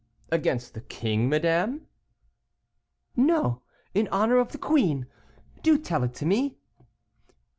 "Against the king, madame?" "No, in honor of the queen; do tell it to me."